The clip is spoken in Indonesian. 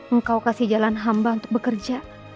engkau kasih jalan hamba untuk bekerja